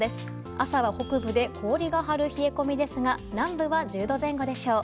朝は北部で氷が張る冷え込みですが南部は１０度前後でしょう。